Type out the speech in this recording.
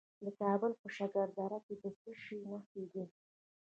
د کابل په شکردره کې د څه شي نښې دي؟